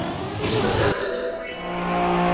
Khızetıt!